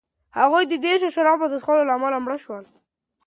هغه د ډېرو شرابو د څښلو له امله مړ شو.